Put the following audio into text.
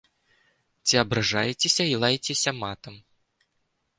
Ці абражайцеся і лайцеся матам.